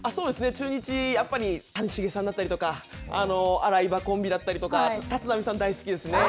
中日、やっぱり谷繁さんだったりとか、アライバコンビだったりとか、立浪さん、大好きですね。